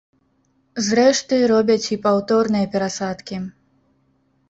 Зрэшты, робяць і паўторныя перасадкі.